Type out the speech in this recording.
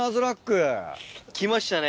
きましたね。